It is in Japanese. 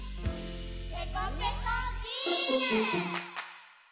「ペコペコビーム！！！！！！」